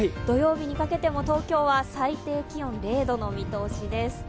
土曜日にかけても東京は最低気温０度の見通しです。